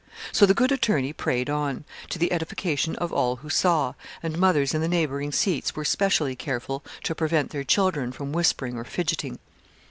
So the good attorney prayed on, to the edification of all who saw, and mothers in the neighbouring seats were specially careful to prevent their children from whispering or fidgeting.